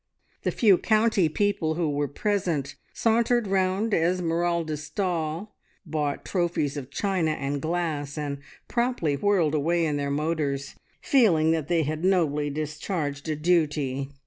The few county people who were present sauntered round Esmeralda's stall, bought trophies of china and glass, and promptly whirled away in their motors, feeling that they had nobly discharged a duty.